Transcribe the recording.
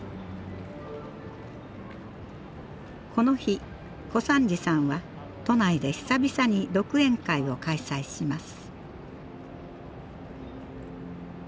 この日小三治さんは都内で久々に独演会を開催します。